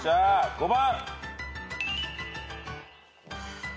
５番。